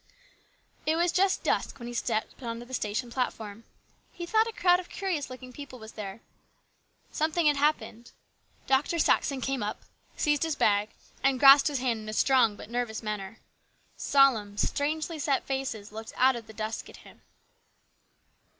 It was just dusk when he stepped on to the station platform. He thought a crowd of curious looking people was there. Something had happened. Dr. Saxon came up, seized his bag and grasped his hand in a strong but nervous manner. Solemn, strangely set faces looked out of the dusk at him.